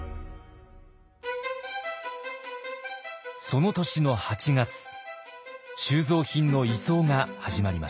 その年の８月収蔵品の移送が始まりました。